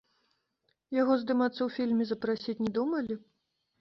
Яго здымацца ў фільме запрасіць не думалі?